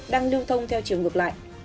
đang lưu thông theo chiều ngược lại